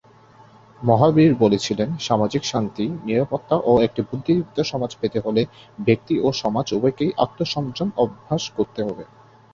মহাবীর বলেছিলেন, সামাজিক শান্তি, নিরাপত্তা ও একটি বুদ্ধিদীপ্ত সমাজ পেতে হলে ব্যক্তি ও সমাজ উভয়কেই আত্ম-সংযম অভ্যাস করতে হবে।